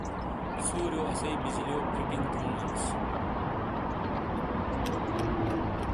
سُوریو اسی بجلیو فیٹنگ تھو نالیس۔